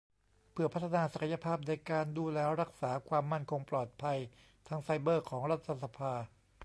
เพื่อพัฒนาศักยภาพในการดูแลรักษาความมั่นคงปลอดภัยทางไซเบอร์ของรัฐสภา